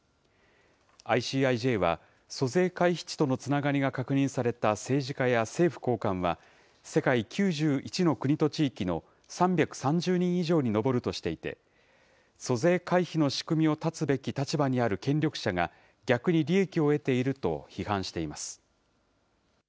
ＩＣＩＪは租税回避地とのつながりが確認された政治家や政府高官は、世界９１の国と地域の３３０人以上に上るとしていて、租税回避の仕組みを絶つべき立場にある権力者が逆に利益を得ていると批判しています。